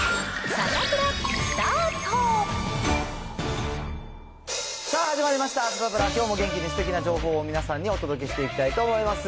さあ始まりました、サタプラ、きょうも元気にすてきな情報を皆さんにお届けしていきたいと思います。